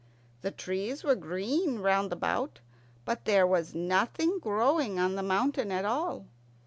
The trees were green round about, but there was nothing growing on the mountain at all.